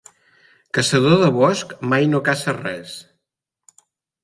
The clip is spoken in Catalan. Caçador de bosc mai no caça res.